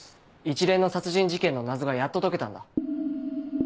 一連の殺人事件の謎がやっと解けたんだ。